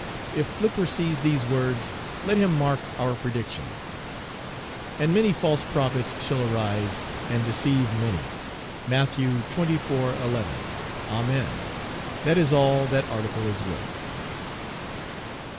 If Flipper sees these words, let him mark our prediction." "And many false prophets shall arise, and deceive many" (Matt. 24:11). Amen. That is all that article is worth.